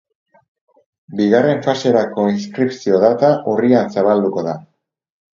Bigarren faserako inskripzio data urrian zabalduko da.